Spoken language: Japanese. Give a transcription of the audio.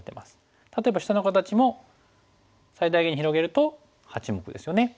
例えば下の形も最大限に広げると８目ですよね。